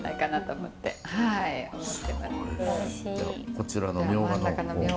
こちらのミョウガの方も。